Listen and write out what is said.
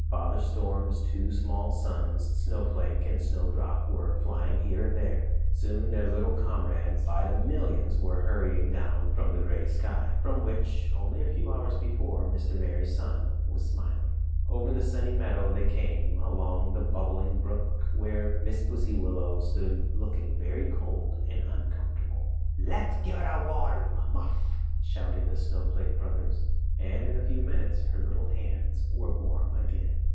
Father Storm's two small sons, Snow Flake and Snow Drop, were flying here and there. Soon their little comrades by the million were hurrying down from the gray sky, from which, only a few hours before, Mr. Merry Sun was smiling. Over the Sunny Meadow they came, along the Bubbling Brook, where Miss Pussy Willow stood looking very cold and uncomfortable. "Let's give her a warm muff!" shouted the Snow Flake Brothers, and in a few minutes her little hands were warm again.